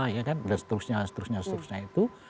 ya kan dan seterusnya seterusnya seterusnya itu